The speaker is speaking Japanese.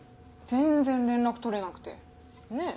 全然連絡取れなくてねぇ？